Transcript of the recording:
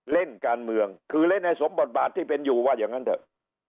เล่นการเมืองคือเล่นให้สมบทบาทที่เป็นอยู่ว่าอย่างนั้นเถอะ